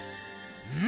うん？